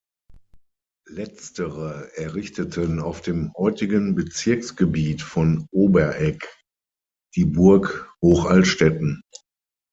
Letztere errichteten auf dem heutigen Bezirksgebiet von Oberegg die "Burg Hoch-Altstätten".